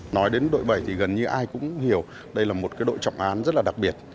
nói đến đội bảy thì gần như ai cũng hiểu đây là một đội trọng án rất là đặc biệt